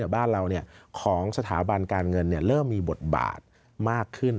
บ้านเราของสถาบันการเงินเริ่มมีบทบาทมากขึ้น